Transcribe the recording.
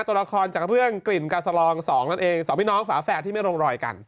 ตัวละครจากเรื่องกลิ่นกาสลองสองนั่นเองสองพี่น้องฝาแฝดที่ไม่ลงรอยกัน